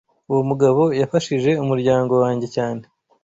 Uwo mugabo yafashije umuryango wanjye cyane.